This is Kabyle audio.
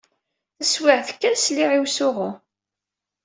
Taswiɛt kan, sliɣ i usuɣu.